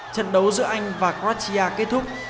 trận đấu giữa anh và quartia kết thúc